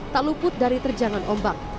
tak luput dari terjangan ombak